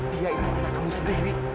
dia itu anak kamu sendiri